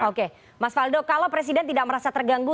oke mas faldo kalau presiden tidak merasa terganggu